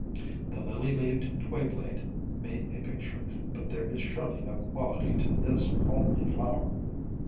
The Lily leaved Twayblade made a pic ture, but there is surely no such quality to this homely flower."